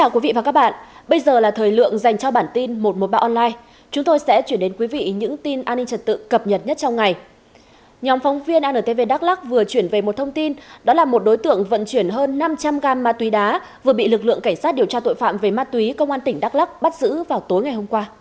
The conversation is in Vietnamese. cảm ơn các bạn đã theo dõi